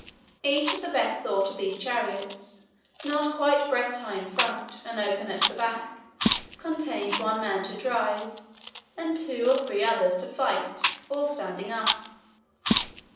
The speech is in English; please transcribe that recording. Each of the best sort of these chariots, not quite breast high in front, and open at the back, contained one man to drive, and two or three others to fight—all standing up.